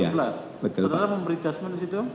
saudara memberi adjustment disitu